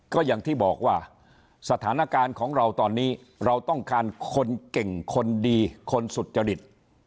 ก็อย่างที่บอกว่าสถานการณ์ของเราตอนนี้เราต้องการคนเก่งคนดีคนสุจริต